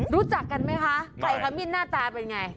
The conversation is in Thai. รู้จักกันไหมคะไข่ขมิ้นหน้าตาเป็นไง